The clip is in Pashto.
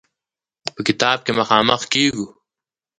په کتاب کې مخامخ کېږو.